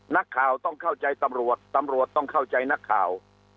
นักข่าวต้องเข้าใจตำรวจตำรวจต้องเข้าใจนักข่าว